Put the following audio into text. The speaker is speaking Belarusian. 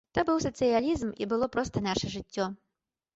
То быў сацыялізм і было проста наша жыццё.